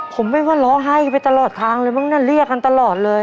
ผมไม่ว่าร้องไห้ไปตลอดทางเลยมั้งน่ะเรียกกันตลอดเลย